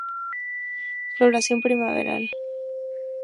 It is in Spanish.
Floración primaveral.